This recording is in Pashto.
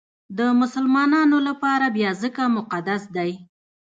د مسلمانانو لپاره بیا ځکه مقدس دی.